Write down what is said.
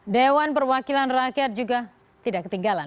dewan perwakilan rakyat juga tidak ketinggalan